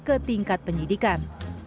ke tingkat penyidikan